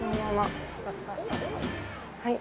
はい。